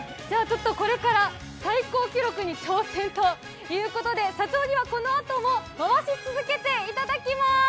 これから、最高記録に挑戦ということで社長にはこのあとも回し続けていただきます。